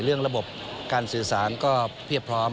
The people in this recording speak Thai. เรื่องระบบการสื่อสารก็เพียบพร้อม